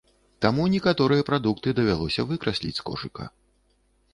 Таму некаторыя прадукты давялося выкрасліць з кошыка.